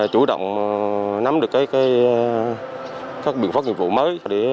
chủ động nắm được các biện pháp nghiệp vụ mới để